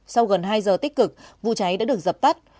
sau gần hai giờ tích cực vụ cháy đã được dập tắt